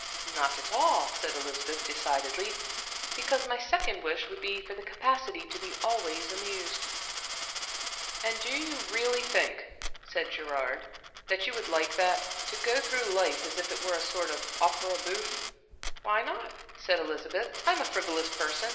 "Not at all," said Elizabeth, decidedly, "because my second wish would be for the capacity to be always amused." "And do you really think," said Gerard, "that you would like that to go through life as if it were a sort of opera bouffe?" "Why not?" said Elizabeth. "I'm a frivolous person.